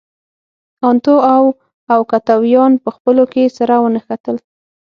انتو او اوکتاویان په خپلو کې سره ونښتل.